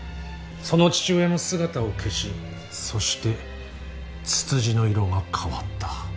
その父親も姿を消しそしてツツジの色が変わった。